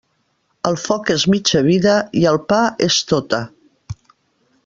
El foc és mitja vida i el pa és tota.